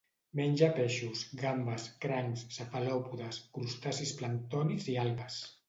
Menja peixos, gambes, crancs, cefalòpodes, crustacis planctònics i algues.